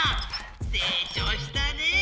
せいちょうしたねえ！